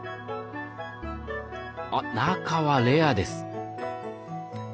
あっ中はレアです。